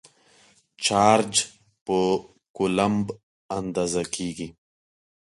چارج په کولمب کې اندازه کېږي.